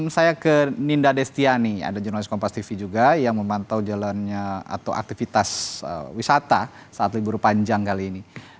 saya ke ninda destiani ada jurnalis kompas tv juga yang memantau jalannya atau aktivitas wisata saat libur panjang kali ini